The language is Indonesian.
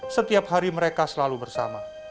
setiap hari mereka selalu bersama